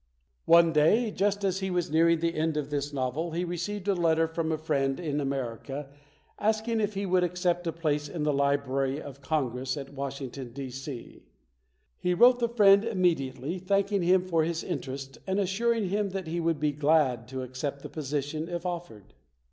One day just as he was nearing the end of this novel, he received a letter from a friend in Amer ica asking if he would accept a place in the Library of Congress at Washington, D. C. He wrote the friend immediately thanking him for his interest and assuring him that he would be glad to accept the position if offered.